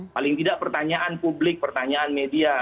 paling tidak pertanyaan publik pertanyaan media